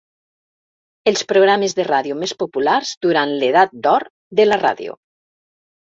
Els programes de ràdio més populars durant l'edat d'or de la ràdio.